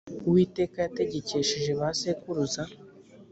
uwiteka yategekesheje ba sekuruza.